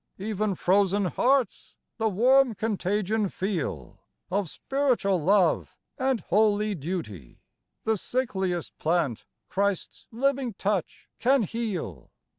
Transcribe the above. Even frozen hearts the warm contagion feel, Of spiritual love and holy duty : The sickliest plant Christ's living touch can heal.